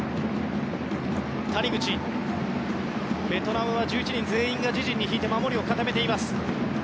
ベトナムは１１人全員が自陣に引いて守りを固めています。